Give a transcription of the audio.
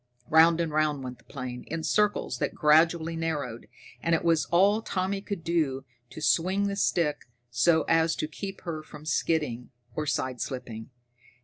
Round and round went the plane, in circles that gradually narrowed, and it was all Tommy could do to swing the stick so as to keep her from skidding or sideslipping.